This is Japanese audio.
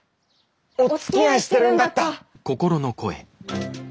おつきあいしてるんだった！